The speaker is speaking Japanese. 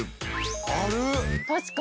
ある！